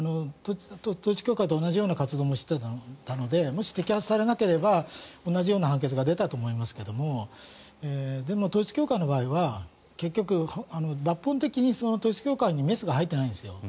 統一教会と同じような活動もしていたと思うのでもし摘発されなければ同じような判決が出たと思いますがでも、統一教会の場合は結局、抜本的に統一教会にメスが入っていないんですよ。